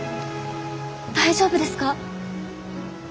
大丈夫ですか？